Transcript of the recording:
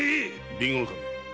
備後守。